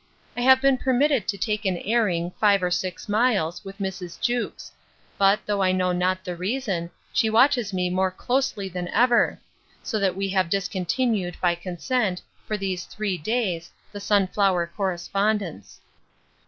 I have been permitted to take an airing, five or six miles, with Mrs. Jewkes: But, though I know not the reason, she watches me more closely than ever; so that we have discontinued, by consent, for these three days, the sunflower correspondence.